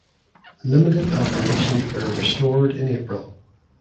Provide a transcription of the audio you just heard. Limited operations were restored in April.